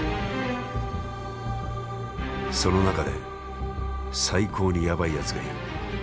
その中で最高にヤバいやつがいる。